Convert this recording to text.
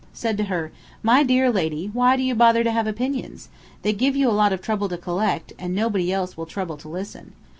Said to her, 'My dear lady, why do you bother to have opinions? They give you a lot of trouble to collect, and nobody else will trouble to listen.